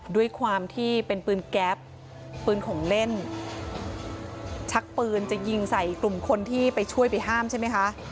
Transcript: ด้วยความที่เป็นปืนแก๊ปปืนของเล่นชักปืนจะยิงใส่กลุ่มคนที่ไปช่วยไปห้ามใช่ไหมคะ